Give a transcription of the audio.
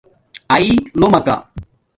آیلومݳکہ